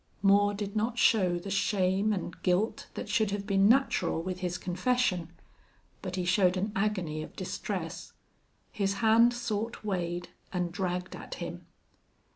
Moore did not show the shame and guilt that should have been natural with his confession. But he showed an agony of distress. His hand sought Wade and dragged at him.